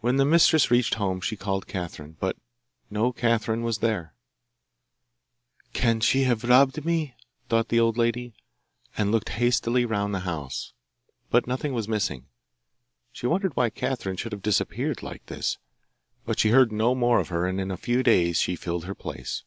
When the mistress reached home she called Catherine, but no Catherine was there. 'Can she have robbed me?' thought the old lady, and looked hastily round the house; but nothing was missing. She wondered why Catherine should have disappeared like this, but she heard no more of her, and in a few days she filled her place.